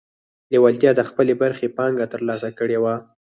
لېوالتیا د خپلې برخې پانګه ترلاسه کړې وه